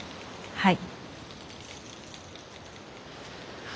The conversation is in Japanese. はい。